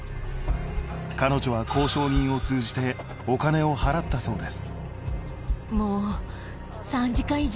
彼女は交渉人を通じてお金を払ったそうです。